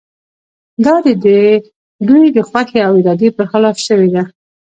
دا د دوی د خوښې او ارادې په خلاف شوې ده.